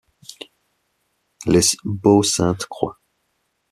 Les Baux-Sainte-Croix